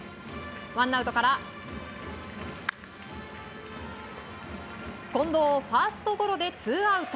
ワンアウトから、近藤をファーストゴロでツーアウト。